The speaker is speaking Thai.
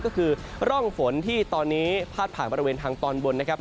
ก็คือร่องฝนที่ตอนนี้พาดผ่านบริเวณทางตอนบนนะครับ